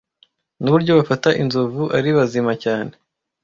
Nuburyo bafata inzovu ari bazima cyane